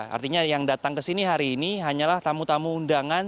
artinya yang datang ke sini hari ini hanyalah tamu tamu undangan